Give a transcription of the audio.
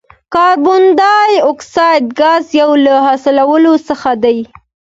کاربن ډای اکساید ګاز یو له حاصلو څخه دی.